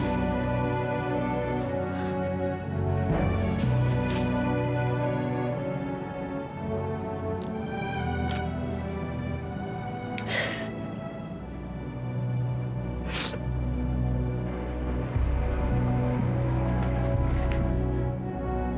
satria di kamar hotel